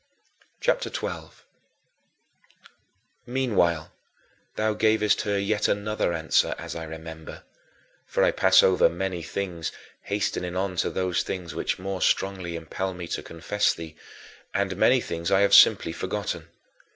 CHAPTER XII 21. Meanwhile, thou gavest her yet another answer, as I remember for I pass over many things, hastening on to those things which more strongly impel me to confess to thee and many things I have simply forgotten.